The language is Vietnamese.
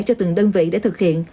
cho từng đơn vị để thực hiện